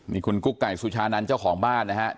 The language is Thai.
นี่คุณกุ๊กไก่สุชานันต์เจ้าของบ้านนะครับ